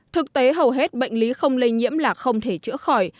thực tế hầu hết bệnh lý không lây nhiễm là không thể chữa khỏi